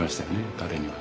彼には。